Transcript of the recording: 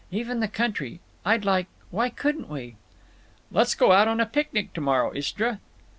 Even the country. I'd like—Why couldn't we?" "Let's go out on a picnic to morrow, Istra."